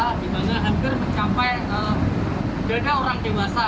dimana hampir mencapai dana orang dewasa